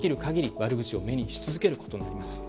悪口を目にし続けることになります。